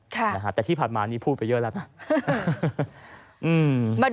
แต่ที่ผ่านมานี่พูดไปเยอะแล้วนะ